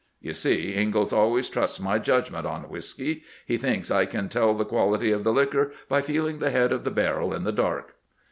You see, Ingalls always trusts my judgment on whisky. He thinks I can tell the quality of the liquor by feeling the head of the barrel in the dark.'